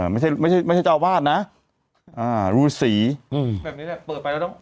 ไม่ใช่ไม่ใช่เจ้าอาวาสนะอ่ารูสีอืมแบบนี้แหละเปิดไปแล้วต้อง